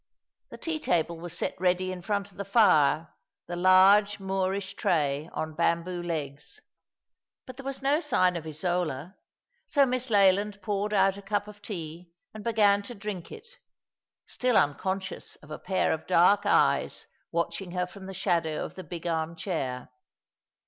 The tea table was set ready in front of the fire, the large Moorish tray on bamboo legs. But there was no sign of Isola ; so Miss Leland poured out a cup of tea and began to drink it, still unconscious of a pair of dark eyes watching her from the shadow of the big armchair.